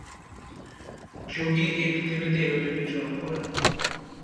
যোগী এই পৃথিবীতে এভাবেই বিচরণ করেন।